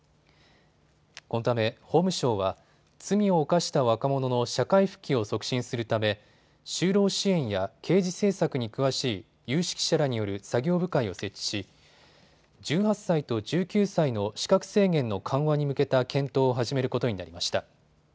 このため法務省は、罪を犯した若者の社会復帰を促進するため就労支援や刑事政策に詳しい有識者らによる作業部会を設置し１８歳と１９歳の資格制限の緩和に向けた検討を始めることになりました。